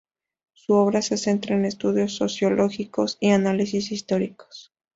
Su obra se centra en estudios sociológicos y análisis históricos.